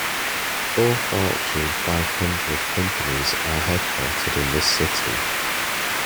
Four Fortune Five Hundred companies are headquartered in this city.